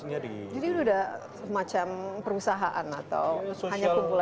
jadi itu udah macam perusahaan atau